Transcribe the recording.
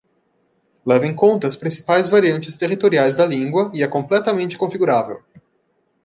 Leva em conta as principais variantes territoriais da língua e é completamente configurável.